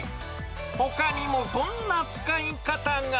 ほかにもこんな使い方が。